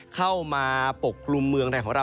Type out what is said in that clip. เข้ามาปกกลุ่มเมืองไทยของเรา